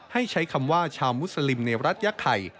ให้ใช้คำว่าชาวมุสลิมในรัฐยะไข่